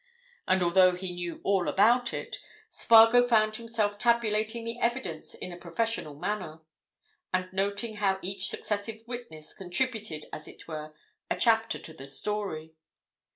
And although he knew all about it, Spargo found himself tabulating the evidence in a professional manner, and noting how each successive witness contributed, as it were, a chapter to the story.